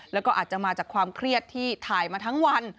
แล้วก็อาจจะมาจากความเครียดที่ถ่ายมาทั้งวัน